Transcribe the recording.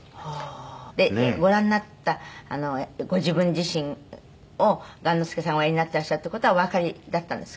でご覧になったご自分自身を雁之助さんがおやりになっていらっしゃるっていう事はおわかりだったんですか？」